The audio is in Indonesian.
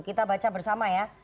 kita baca bersama ya